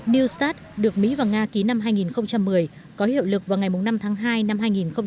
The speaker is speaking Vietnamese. new start được mỹ và nga ký năm hai nghìn một mươi có hiệu lực vào ngày năm tháng hai năm hai nghìn một mươi bảy